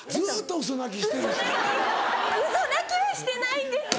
ウソ泣き⁉ウソ泣きはしてないんですよ